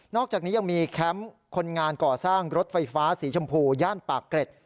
อกจากนี้ยังมีแคมป์คนงานก่อสร้างรถไฟฟ้าสีชมพูย่านปากเกร็ด